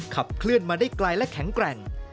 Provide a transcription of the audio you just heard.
ขับเคลื่อนมาได้ไกลและแข็งแกร่ง